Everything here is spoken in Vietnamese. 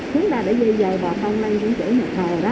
chúng ta đã dây dày bà con lên những chỗ mệt hầu đó